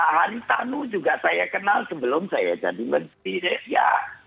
haritanu juga saya kenal sebelum saya jadi menteri ya